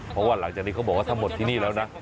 เพราะว่าหลังจากนี้เขาบอกว่าถ้าหมดที่นี่แล้วนะ